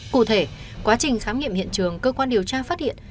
cụ thể quá trình khám nghiệm hiện trường cơ quan điều tra phát hiện